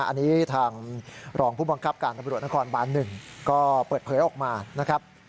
อันนี้ทางรองผู้บังคับการตำรวจนครบาน๑ก็เปิดเผยออกมานะครับ